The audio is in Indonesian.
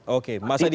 oke mas adi